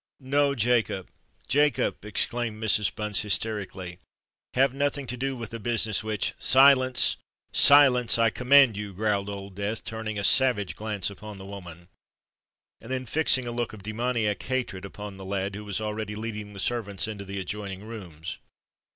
"No, Jacob—Jacob!" exclaimed Mrs. Bunce hysterically: "have nothing to do with a business which——" "Silence—silence, I command you!" growled Old Death, turning a savage glance upon the woman, and then fixing a look of demoniac hatred upon the lad, who was already leading the servants into the adjoining rooms.